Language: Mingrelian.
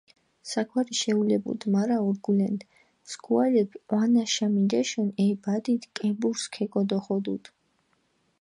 საქვარი შეულებუდჷ, მარა ორგულენდჷ, სქუალეფი ჸვანაშა მიდეშჷნი, ე ბადიდი კებურსჷ ქეკოდოხოდჷდჷ.